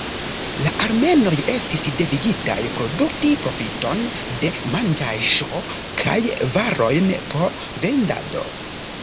La armenoj estis devigitaj produkti profiton de manĝaĵo kaj varojn por vendado.